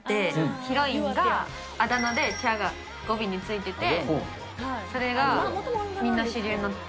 ヒロインがあだ名が、てゃが語尾についてて、それが、みんな主流になって。